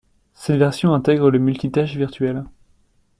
Cette version intègre le multitâche virtuel.